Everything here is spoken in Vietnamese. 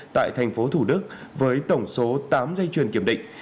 tại tp thủ đức với tổng số tám dây chuyền kiểm định